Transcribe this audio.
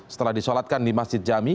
setelah disolatkan di masjid jami